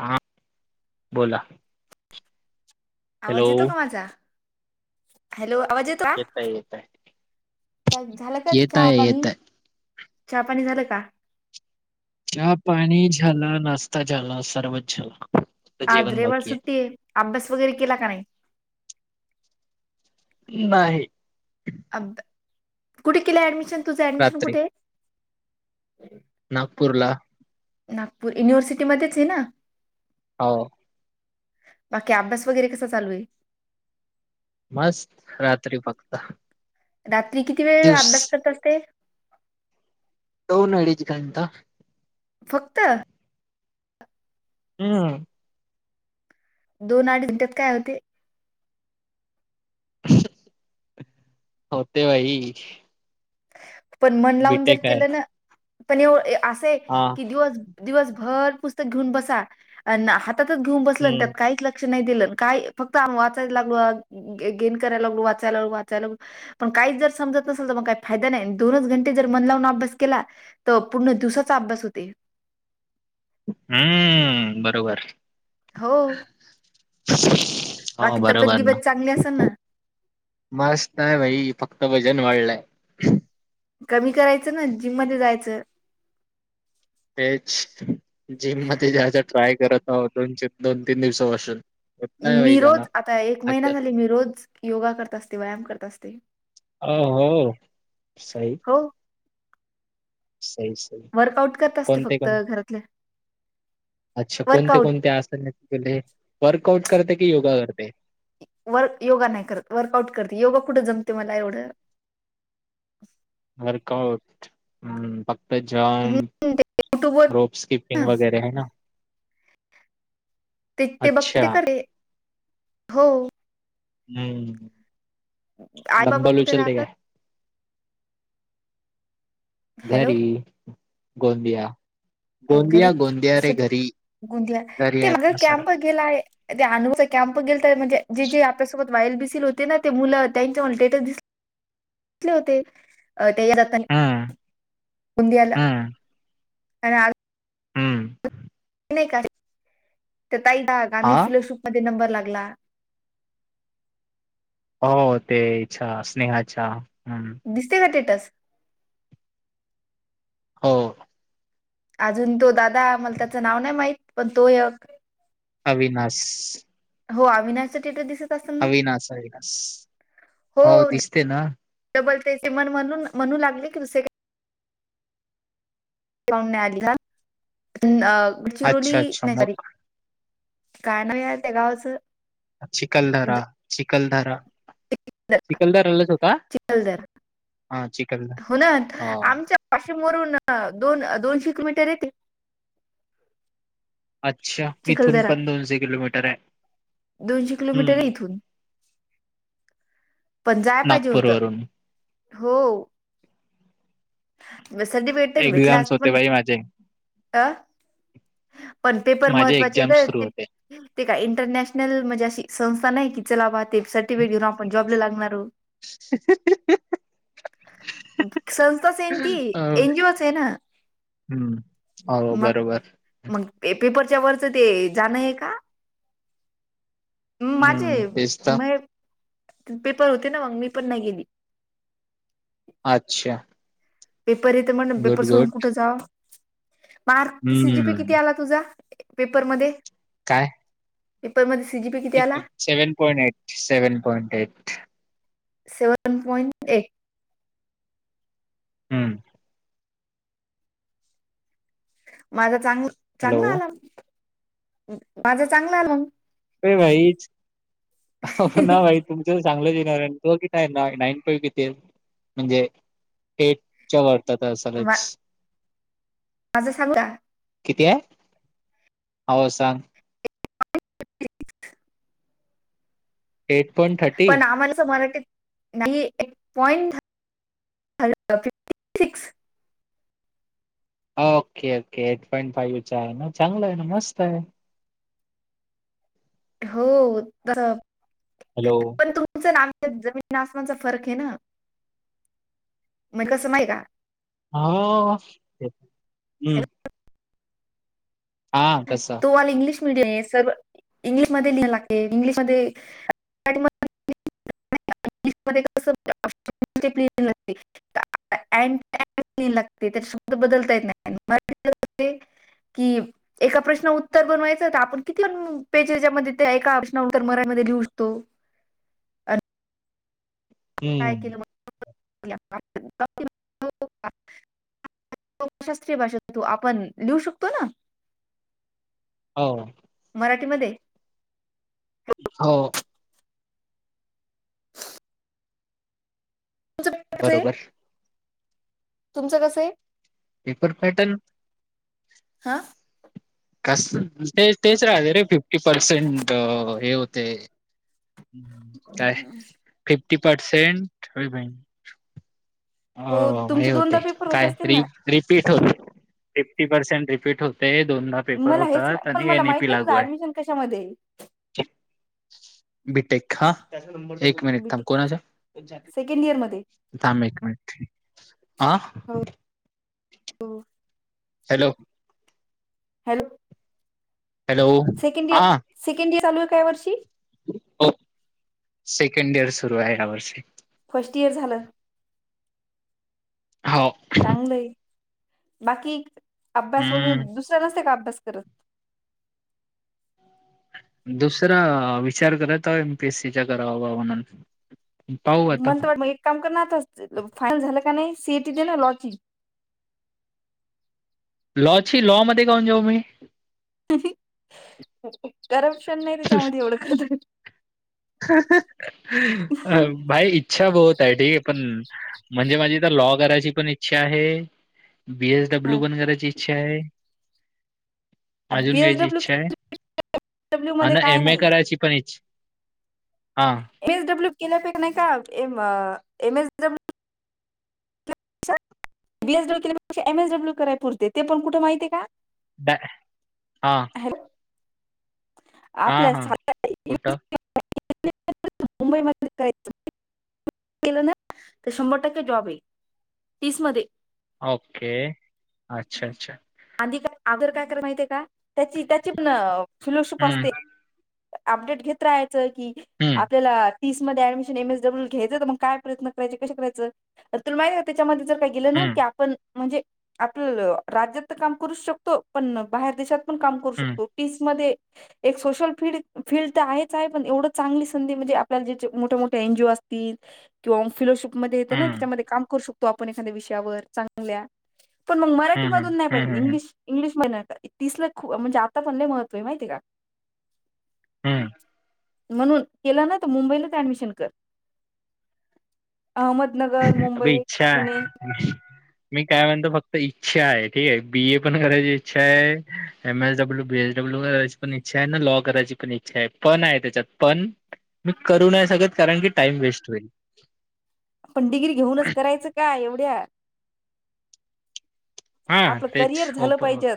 हा बोला. हॅलो आवाज येतो का माझा हॅलो आवाज येत येतय येतय. तो झालं का येत चहा आहे येत आहे. येत पाणी आहे. चहा पाणी झालं का? चहा पाणी झाला नाश्ता झाला सर्वच झाल. आज रेवा सुट्टी ये अभ्यास वगैरे केला का नाही. नाही. कुठे केलं ऍडमिशन? तुझं ऍडमिशन रात्री कुठे आहे? नागपूर ला. नागपूर, युनिव्हर्सिटीमध्येच आहे ना? हाव. बाकी अभ्यास वगैरे कसा चालू आहे? मस्त रात्री फक्त. रात्री किती वेळ दिवस अभ्यास करत असते? दोन अडीच घंटा. फक्त? हम्म. दोन अडीच घंट्यात काय होते? होते भाई. पण मन लावून जर बीटेक केलं ना, पण एव असे आहे हां. दिवस दिवसभर पुस्तक घेऊन बसा, अन् हातातच घेऊन बसलं अन् हम्म त्यात काहीच लक्ष लक्ष नाही दिलं अन् काय फक्त आम् वाचायला लागलो, गेन करायला लागलो वाचायला वाचायला पण काहीच जर समजत नसेल तर मग काय फायदा नाही दोनच घंटे जर मन लावून अभ्यास केला तर पूर्ण दिवसाचा अभ्यास होते. हम्म बरोबर. हो. हो बाकी तब्येत बरोबर ना. गिब्येत चांगली असेल ना मस्त आहे भाई, फक्त वजन वाढलंय. कमी करायचं ना, जिममध्ये जायचं. तेच जिम मध्ये जायचं ट्राय करत आहे दोन दोन तीन दिवसापासून. होत नाही भाई मी रोज जाणं आता एक महिना आज झाली मी रोज योगा करत असते, व्यायाम करत असते. ओ हो सही. हो सही. सही वर्कआउट करत असते कोणते फक्त कोण घरातलं. अच्छा कोणते कोणते आसन तू केले? वर्कआउट करते की योगा करते? वर्क योगा नाही करत वर्कआउट करते, योगा कुठं जमते मला एवढं? वर्कआउट हम्म, फक्त हम्म जंप ते युट्यूब वर रोप, स्किपिंग ना वगैरे है ना? ते ते बघते अच्छा ते करते, हो. हम्म. आई बाबा डंबेल कुठे उचलते राहतात काय? हॅलो घरी, गोंदिया. घरी गोंदिया गोंदिया रे सुट घरी, घरी आहेत ना सार केलाय. ते अनुचा कॅम्प गेलता, म्हणजे जे जे आपल्यासोबत वाईल बिसिल होते ना ते मुलं त्यांच मला स्टेटस दिस तले होते [unintelligible] [inaudible] जात हम्म गोंदियाला हम्म [unintelligible] हम्म. नाही का, तर ताई ला हा गांधी फिलॉसॉफी मध्ये नंबर लागला. हो ते हेच्या स्नेहा च्या हम्म. दिसते काय टेट्स? हो. अजून तो दादा मला त्याचं नाव नाही माहित, पण तो एक अविनास. हो आविनासच स्टेटस दिसत असेल ना अविनास, अविनास हो दिसते ना? डबल तेण म्हणून, म्हणून लागली का दुसरीकडे आली ना, गडचिरोली अच्छा अच्छा नाही मग सॉरी. काय नाव त्या गावाचं? चिकलदरा, चिकलदरा चिखलदरलाच होता. हा चिखलदरा चिखलदरा हो ना हा आमच्या असे पाशीम वरून दोन, दोनशे किलोमीटर आहे ते. अच्छा, इथून चिखलदरा पण दोनशे किलोमीटर हाय, दोनशे हम्म, किलोमीटर आहे हम्म इथून पण जाय पाहिजे होत. नागपूरवरून हो म, सर्टिफिकेट तरी भेटला आज एक्झाम्स होते पण, बाई माझे अ. पण पेपर माझे महत्वाचे एक्झाम्स तर सुरू ते होते. ते काय इंटरनॅशनल म्हणजे अशी संस्था नाही की चलावा ते चल ती व्हिडिओ आपण जॉबला लागणार आहोत. ती अ एनजीओच आहे ना? हम्म हो मग. बरोबर मग पेपरच्या वरचं ते जाणंय का? माझे हम्म तेच तर म पेपर होते ना, मग मी पण नाही गेली. अच्छा. पेपर येत मण पेपर गुड सोडून गुड कुठं जाव, मार्क सीजीपी हम्म किती आला तुझा? पेपरमध्ये. काय? पेपर मध्ये C. Seven point eight, seven point eight. Seven point eight. हम्म. माझा चांग, हॅलो चांगला आला, माझा चांगला आला मग. ये भाईच, हो ना भाई. तुमचं चांगलं येणार आहे, तो किथ आहे ना नाईन फाईव्ह किथे, म्हणजे एटच्या वार्तात असालच. माझं सांगू का? किती हाय? हो सांग. [unintelligible] Eight point thirty. पण आम्हाला अस मराठीत, नाही एक point thirty fifty. Six okay, okay eight point फाईव्हचा आहे ना चांगला आहे ना मस्त हाय. हो तर हॅलो. पण तुमचं ना आमचं जमीन आसमानचा फरक आहे ना, म्हणजे कसं नाही का. अहो, हम्म. हॅलो हा कसा तो वाला इंग्लिश [inaudible] [unintelligible] लागते त्याच्या शब्द बदलता येत नाही की एका प्रश्न उत्तर बनवायचं तर आपण किती पण पेजेसमध्ये त्या एका प्रश्न उत्तर मरायमध्ये लिहू शकतो आणि हम्म [unintelligible] शास्त्रीय भाषेत तू आपण लिहू शकतो ना? हो. मराठीमध्ये हो. बरोबर [unintelligible] तुमचं कसं आहे? पेपर पॅटर्न हा. कास ते तेच राहते रे फिफ्टी पर्सेंट हे होते. काय फिफ्टी पसेंट होय होय. हो हो हे तुमचे होते दोनदा पेपर होत काय असतील ना रीप रिपीट होते फिफ्टी पर्सेंट रिपीट होते दोनदा पेपर मला होता हेच मा- पण आणि मला एनए माहित पी नाही तुझं लागू आहे. ऍडमिशन कशामध्ये आहे बीटेक. हा एक मिनिट थांब बीटी कोण च्या सेकंड इयर मध्ये थांब एक मिनिट आ. हो हो. हॅलो. हॅलो. हॅलो सेकंड हा इयर सेकंड इयर चालू आहे काय वर्षी? हो सेकंड इयर सुरू आहे या वर्षी. फर्स्ट इयर झालं. हो. चांगलं आहे. बाकी अभ्यास वगैरे हम्म दुसऱ्या नसते का अभ्यास करत? दुसरा विचार करत आहे एमपीएस सी च्या कराव म्हणून पाहू आता मंत वाट मग एक काम करणार आता फायनल झालं का नाही सीएटी दे ना लॉचिंग लॉ ची लॉ मध्ये मध्ये काऊन जाऊ मी. करप्शन नाही त्याच्यामध्ये एवढं ख [unintelligible] भाई इच्छा बहुत आहे ठीक आहे पण म्हणजे माझी तर लॉ करायची पण इच्छा आहे पी एस हा डब्ल्यू पण करायची इच्छा आहे. आता अजून घ्यायची बीएसडब्ल्यू इच्छा आहे डब्ल्यू मध्ये आणि काय एम ए नाही करायची पण इच्छा आहे हां. एम एस डब्ल्यू केला पाक नाही का M M S W BSW केल्यापेक्षा एम एस डब्ल्यू कराय पुरते ते पण कुठ माहिते का? नाय हा. हॅलो हा आपल्या हा [unintelligible] कुठं मुंबई म करायचं [unintelligible] केलं ना तर शंभर टक्के जॉब आहे तीस मध्ये ओके अच्छा अच्छा. आधी का आदर काय करा माहितीे का त्याची त्याची पण सुलशूप हम्म असते. अपडेट घेत राहायचं की हम्म आपल्याला. तीस मध्ये ऍडमिशन एम एस ड्ब्ल्यू घ्यायचय म काय प्रयत्न करायचे कसे करायचं तुला माहिते नाही का त्याच्यामध्ये जर रेग्युलर हम्म की आपण म्हणजे आपलं राज्यात तर काम करूच शकतो पण बाहेर देशात पण काम करू हम्म शकतो पीस मधे एक सोशल फीड फील्ड तर आहेच आहे पण एवढं चांगली संधी म्हणजे आपल्याला जे चे मोठे मोठे एन जी ओ असतील किंवा मग फिलोशिपमध्ये येतं ना हम्म त्याच्यामध्ये काम करू शकतो आपण एखाद्या विषयावर चांग ल्या पण म मराठी हम्म हम्म मधून नाही हम्म पाहिजे हम्म इंग्लिश इंग्लिश महिन तीसला खूप म्हणजे आता पण लय महत्व आहे माहितीए का? हम्म म्हणून केला ना त मुंबईलाच ऍडमिशन कर अहमद नगर, अबे मुंबई, इच्छा पुणे [inaudible] मी काय म्हणतो फक्त इच्छा आहे ठीक आहे बी ए पण करायची इच्छा आहे M S W B S W करायची पण इच्छा आहे ना लॉ करायची पण इच्छा आहे पण आहे त्याच्यात पण [inaudible] मी करू नाय शकत कारण की टाईम वेस्ट होईल. आपण डिग्री घेऊनच करायचं का एवढ्या हा आपलं तेच करिअर झालं होप अं पाहिजे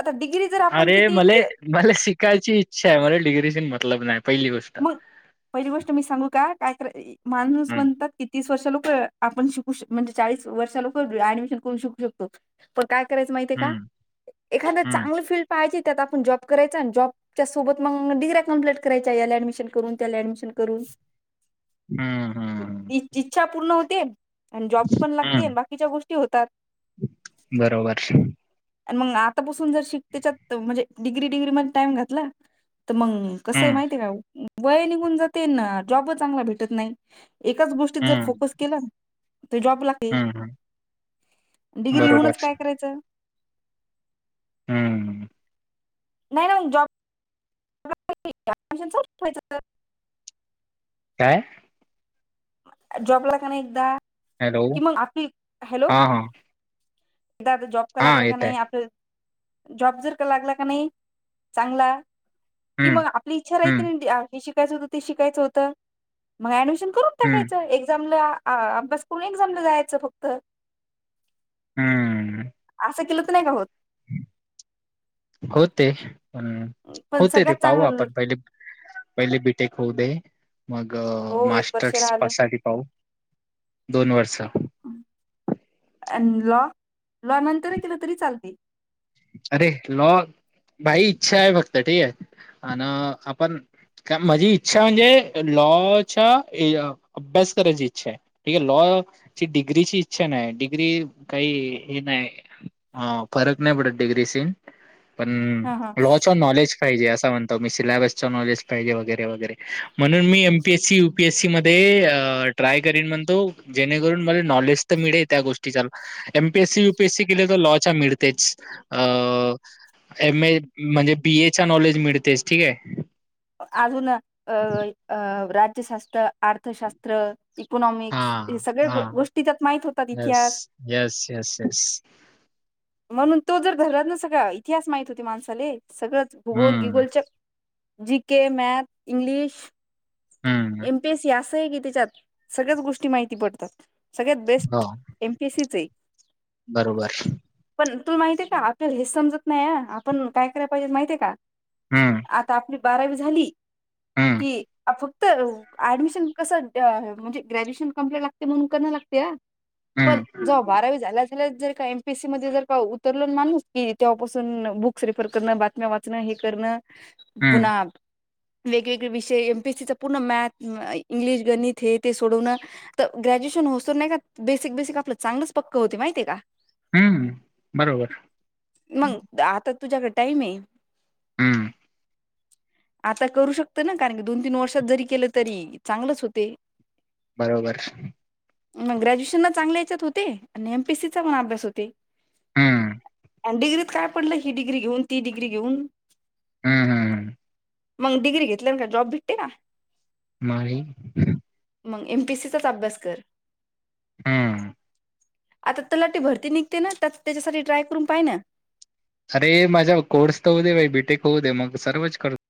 आता डिग्री जर आपण अरे किती मले ज- मले शिकायची इच्छा हाय मले डिग्रीशी मतलब नाही पहिली गोष्ट मग पहिली गोष्ट मी सांगू का कायतर माणूस हम्म म्हणतात कि तीस वर्ष लोक आपण शिकूश म्हणजे चाळीस वर्षा लोक ऍडमिशन करून शिकू शकतो पण काय करायचं माहितीये का हम्म एखांद हम्म चांगलं फील्ड पाहायची त्यात आपण जॉब करायचा अन जॉबच्यासोबत मग डिगऱ्या कंप्लीट कराय च्या याला ॲडमिशन करून त्याला ऍडमिशन करून हा हा इ इच्छा पूर्ण होते आणि जॉब पण लागते हम्म बाकीच्या गोष्टी होतात बरोबर आणि मग आतापासून जर शिकतेच्यात म्हणजे डिग्री डिग्री मध्ये टाइम घातला ते मंग कसं य हम्म माहिती आहे काय? वय निघून जाते ना जॉबच चांगला भेटत नाही एकाच गोष्टीत जर हम्म फोकस केलां ते जॉब लागते हम्म हम्म डिग्री हूनच बरोबर काय करायचं? हम्म नाही ना जॉ [unintelligible] काय? जॉब ला कनाही एकदा हॅलो कि मग आपी हॅलो हा हा दादा जॉब का हा लागला का येत आहे नाही आपल जॉब जर का लागला का नाही चांगला कि हम्म मग आपली इच्छा राहिती हम्म ना ती हे शी कायचं होतं ते शिकायचं होतं मग ऍडमिशन करून हम्म टाकायच एक्झामला आं अभ्यास पुढं एक्झामला जायाचं फक्त हम्म असं केलं त नाही का होत? होते पण पण होते रे सगळ्यात पाहू चांगलं आपण पहिले पहिले बी टेक होऊ दे मग हो एक वर्ष मास्टर्स राहिलं साठी पाहू दोन वर्ष आन लॉ लॉ नंतर केलं तरी चालतय. अरे लॉ भाई इच्छा आहे फक्त ठीक आहे आण आपण. का माझी इच्छा म्हणजे लॉच्या ए अ, अभ्यास करायची इच्छा आहे ठीक आहे लॉ. ची डिग्रीची इच्छा नाय डिग्री काही हे नाय फरक नाही पडत. डिग्रीसन पण ह ह लॉ नॉलेज. पाहिजे असं म्हणतो मी सिलेबसच नॉलेज पाहिजे वगैरे वगैरे म्हणून मी एमपीएससी यू''--'' पीएससी मध्ये ट्राय करेन म्हणतो जेणेकरून मले नॉलेज तर मिळे त्या गोष्टीचा. एमपीएसी युपीएससी केले तर लॉच्या मिळतेच. अ एम ए म्हणजे बी ए चा नॉलेज मिळतेच ठीक आहे. अजून अ अ राज्यशास्त्र अर्थशास्त्र. हा इकोनॉमिक्स हे सगळे हा गोष्टी त्यात माहित होतात येस इतिहास. येस येस येस म्हणून तो जर धरलात ना सगळ इतिहास माहित होती माणसाले सगळंच भूगोल हम्म गिगोलच्या. G K math English. हम्म एमपीएस असं आहे की, त्याच्यात सगळ्याच गोष्टी माहिती पडतात सगळ्यात हो बेस्ट. एमपेसीचय हाय. बरोबर. पण तुल माहितीय का आपल्याला हेच समजत नाहीय आपण काय करायला पाहिजे माहितीय का, हम, आता आपली बारावी झाली हम्म कि, फक्त अ ऍडमिशन कसं त्या हे म्हणजी ग्रॅज्युएशन कंप्लीट लागते म्हणून करा लागत. त्या पण हम्म जव बारावी झाल्या. जर का एमपीसी मध्ये जर का उतरल माणूस की, तेवपासून बुक्स रेफर करणं. वाचणं हे करणं हम्म पुन्हा वेगवेगळे विषय. तिथं पुनण मॅथ इंग्लिश गणीत हे ते सोडवन. तर ग्रॅज्युएशन होत नाही का बेसिक बेसिक आपलं चांगलंच पक्कं होते माहितीय का. हम्म, बरोबर. मग आता तुझ्याकड टाईम आहे. हम्म, आता करू शकत ना कारण की, दोन तीन वर्षात जरी केलं तरी चांगलंच होते. बरोबर. मग ग्रॅज्युएशन ला चांगल्या याच्यात होते. आणि एमपीएसीचा पण अभ्यास होते. हम्म, आणि डि्रीत काय पडलं ह डिग्री घेऊ ती डिग्री घेऊन. हम हम, मग डिग्री घेतल्या ना का जॉब भेटते का. मग आणि. मग एम पीसीचाच अभ्यास कर. हा, आता तरलाटी भरती निघते ना तर त्याच्यासाठी ट्राय करून पाहि ना. अरे माझ्या कोर्स तर हो दे बाई बीटेक होऊ दे मग सर्वच करत.